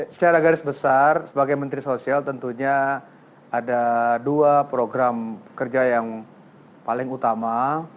secara garis besar sebagai menteri sosial tentunya ada dua program kerja yang paling utama